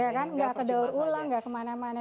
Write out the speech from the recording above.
ya kan nggak ke daur ulang nggak kemana mana